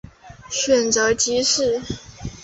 选庶吉士。